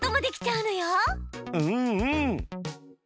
うんうん。